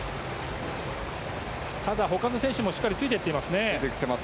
ただ、他の選手もしっかりついて行っていますね。